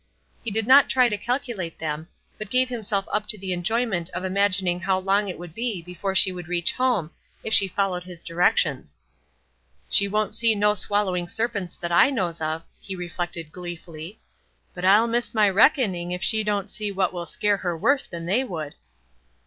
He did not try to calculate them, but gave himself up to the enjoyment of imagining how long it would be before she would reach home if she followed his directions. "She won't see no swallowing serpents that I knows of," he reflected, gleefully; "but I'll miss my reckoning if she don't see what will scare her worse than they would."